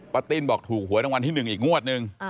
ติ้นบอกถูกหวยรางวัลที่๑อีกงวดนึง